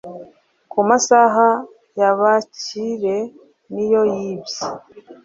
ku masaha yabakire niyo bibye